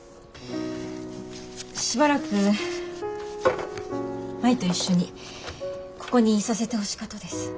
しばらく舞と一緒にここにいさせてほしかとです。